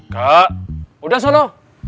kak udah solo